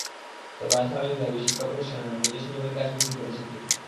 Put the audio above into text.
তবে আজাহার আলীর দাবি, শিক্ষাপ্রতিষ্ঠানের নয়, নিজস্ব জমির গাছ বিক্রি করেছেন তিনি।